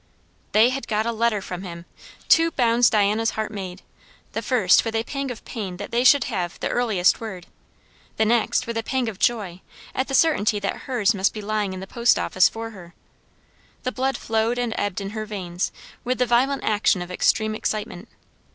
They had got a letter from him! Two bounds Diana's heart made: the first with a pang of pain that they should have the earliest word; the next with a pang of joy, at the certainty that hers must be lying in the post office for her. The blood flowed and ebbed in her veins with the violent action of extreme excitement.